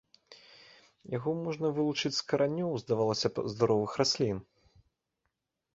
Яго можна вылучыць з каранёў, здавалася б, здаровых раслін.